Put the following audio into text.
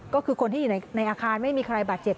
ก็คือคนที่อยู่ในอาคารไม่มีใครบาดเจ็บ